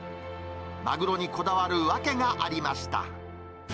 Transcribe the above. マグロにこだわる訳がありました。